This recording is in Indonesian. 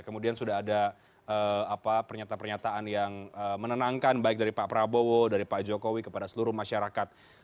kemudian sudah ada pernyataan pernyataan yang menenangkan baik dari pak prabowo dari pak jokowi kepada seluruh masyarakat